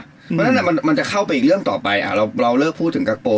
เพราะฉะนั้นมันจะเข้าไปอีกเรื่องต่อไปเราเลิกพูดถึงกาโป